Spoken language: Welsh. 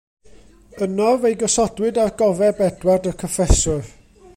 Yno, fe'i gosodwyd ar gofeb Edward y Cyffeswr.